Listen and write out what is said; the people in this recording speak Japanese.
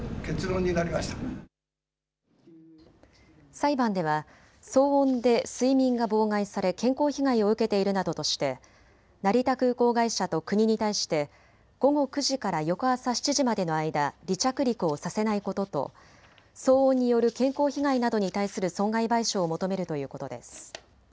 裁判では騒音で睡眠が妨害され健康被害を受けているなどとして成田空港会社と国に対して午後９時から翌朝７時までの間、離着陸をさせないことと騒音による健康被害などに対する損害賠償を求めるということです。